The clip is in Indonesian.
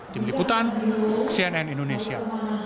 tim liputan cnn indonesia